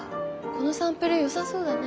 このサンプルよさそうだね。